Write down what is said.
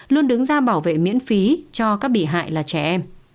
luôn đứng ra bảo vệ miễn phí cho các bị hại là trẻ em